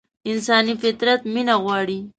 انساني فطرت مينه غواړي.